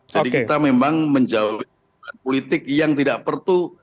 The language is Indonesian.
jadi kita memang menjauhi politik yang tidak perturut